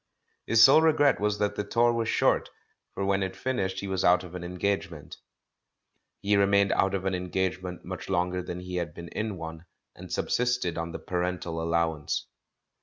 His sole regret was that the tour was short,. for when it finished he was out of an engagement. He remained out of an engagement much longer than he had been in one, and subsisted on the parental allowance.